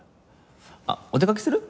あっお出かけする？